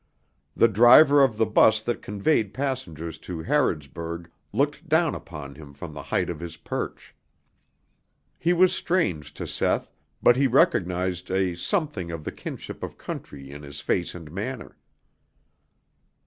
The driver of the bus that conveyed passengers to Harrodsburg looked down upon him from the height of his perch. He was strange to Seth, but he recognized a something of the kinship of country in his face and manner.